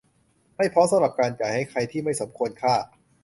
ไม่พร้อมสำหรับการจ่ายให้ใครที่ไม่สมควรค่า